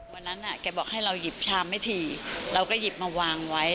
วันนั้นแกบอกให้เราหยิบชามให้ถี่เราก็หยิบมาวางไว้